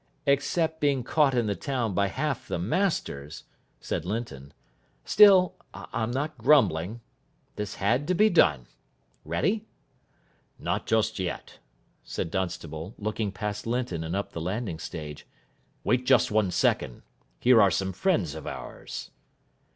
"Except being caught in the town by half the masters," said Linton. "Still, I'm not grumbling. This had to be done. Ready?" "Not just yet," said Dunstable, looking past Linton and up the landing stage. "Wait just one second. Here are some friends of ours."